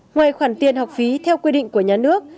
ngoài khoản tiền học phí theo quy định của nhà nước